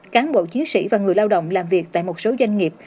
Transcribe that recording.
cán bộ chiến sĩ và người lao động làm việc tại một số doanh nghiệp